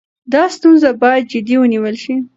دا ستونزه باید جدي ونیول شي.